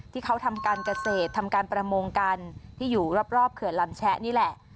ที่เขาทำการเกษตรทำการประมงกันที่อยู่รอบเขื่อนลำแชะนี่แหละ